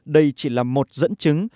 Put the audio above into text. đây chỉ là một dẫn chứng